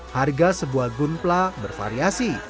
harga sebuah gunpla bervariasi